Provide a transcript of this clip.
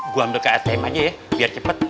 gue ambil ke atm aja ya biar cepet